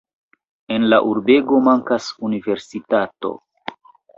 En la urbego mankas universitato.